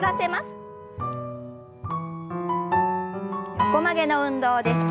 横曲げの運動です。